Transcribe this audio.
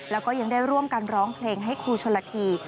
แล้วก็ยังได้ร่วมกันร้องเพลงให้ครูชนละที